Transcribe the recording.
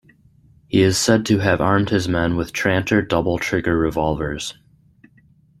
He is said to have armed his men with Tranter double trigger revolvers.